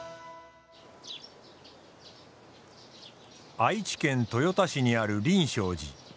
愛知県豊田市にある隣松寺。